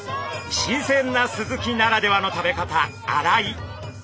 新鮮なスズキならではの食べ方洗い。